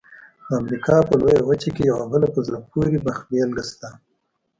د امریکا په لویه وچه کې یوه بله په زړه پورې مخبېلګه شته.